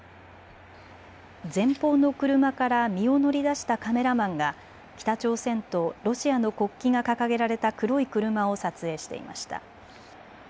前方の車から身を乗り出したカメラマンが北朝鮮とロシアの国旗が掲げられた黒い車を撮影していました。